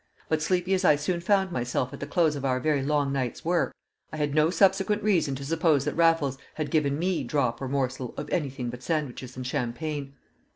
But, sleepy as I soon found myself at the close of our very long night's work, I had no subsequent reason to suppose that Raffles had given me drop or morsel of anything but sandwiches and champagne.